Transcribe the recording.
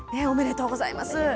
おめでとうございます。